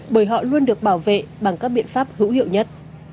bởi họ luôn được bảo vệ bằng các biện pháp hữu hiệu nhất